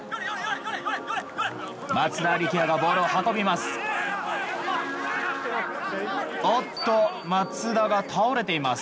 松田力也がボールを運びます。